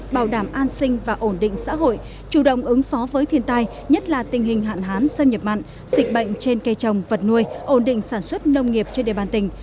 bảo đảm an sinh và ổn định xã hội chủ động ứng phó với thiên tai nhất là tình hình hạn hán xâm nhập mặn dịch bệnh trên cây trồng vật nuôi ổn định sản xuất nông nghiệp trên địa bàn tỉnh